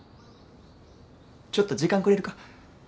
ちょっと時間くれるか。